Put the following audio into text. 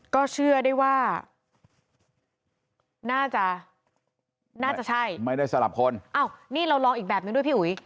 ก็เชื่อได้ว่าน่าจะน่าจะใช่ไม่ได้สลับคนอ้าวนี่เราลองอีกแบบนึงด้วยพี่อุ๋ย